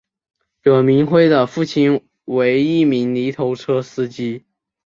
葛民辉的父亲为一名泥头车司机。